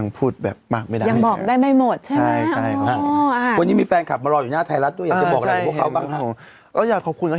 มีแฟนครับมารออยู่หน้าไทรัศด้วยอยากบอกอะไรให้บางของภาพ